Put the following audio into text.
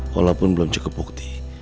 walaupun belum cukup bukti